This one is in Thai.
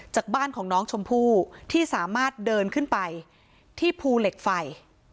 จากบ้านของน้องชมพู่ที่สามารถเดินขึ้นไปที่ภูเหล็กไฟ